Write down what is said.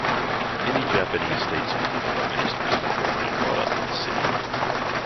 Many Japanese statesmen and Prime Ministers were born and brought up in this city.